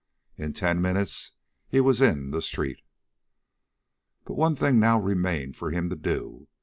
In ten minutes he was in the street. But one thing now remained for him to do.